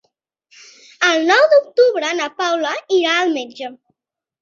El nou d'octubre na Paula irà al metge.